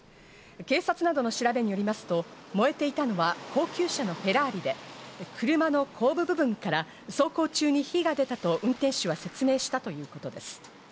警察などの調べによりますと、燃えていたのは高級車のフェラーリで、車の後部部分から走行中に火が出たと、運転手は説明したということです。